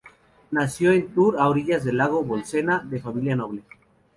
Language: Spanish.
Nació en Tur a orillas del lago Bolsena, de familia noble.